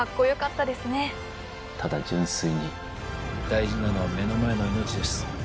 ただ純粋に大事なのは目の前の命です